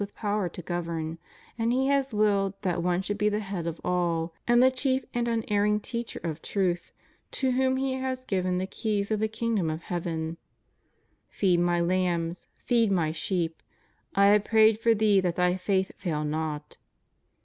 with power to govern; and He has willed that one should be the head of all, and the chief and unerring teacher of truth, to whom He has given the keys of the kingdom of heaven} Feed My lambs, feed My sheep} I have prayed for thee that thy faith fail not.''